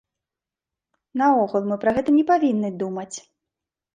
Наогул, мы пра гэта не павінны думаць.